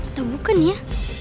atau bukan ya